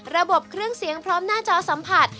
ระบบเครื่องเสียงพร้อมหน้าจอสัมผัส